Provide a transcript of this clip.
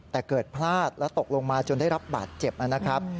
แต่เกิดพลาดและตกลงมาจนได้รับบาดเจ็บนะครับ